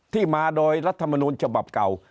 ที่มาโดยรัฐมนูลฉบับเก่า